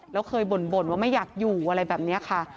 แล้วเคยบ่นว่าไม่อยากอยู่อะไรแบบนี้ค่ะ